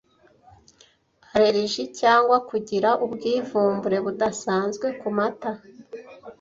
Allergie cg kugira ubwivumbure budasanzwe ku mata,